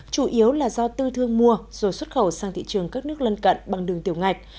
chủ yếu là do tư thương mua rồi xuất khẩu sang thị trường các nước lân cận bằng đường tiểu ngạch